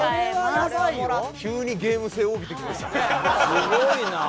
すごいなあ！